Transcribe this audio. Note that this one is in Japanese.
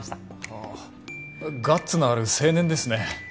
ああガッツのある青年ですね